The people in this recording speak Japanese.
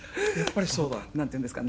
「なんていうんですか？